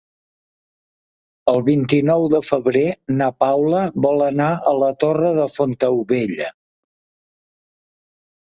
El vint-i-nou de febrer na Paula vol anar a la Torre de Fontaubella.